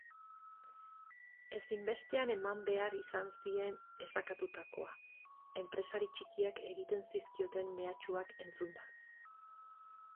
Ezinbestean eman behar izan zien esakatutakoa enpresari txikiak egiten zizkioten mehatxuak entzunda.